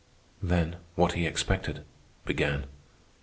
Then, what he expected, began.